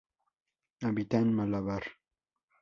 Habita en Malabar.